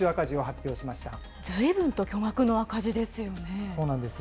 ずいぶんと巨額の赤字ですよそうなんです。